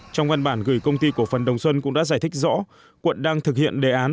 trong văn bản gửi công ty cổ phần đồng xuân cũng đã giải thích rõ quận đang thực hiện đề án